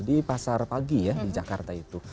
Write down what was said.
di pasar pagi ya di jakarta itu